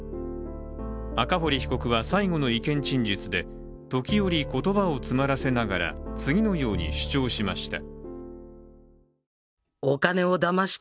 赤堀被告は最後の意見陳述で時折、言葉を詰まらせながら次のように主張しました。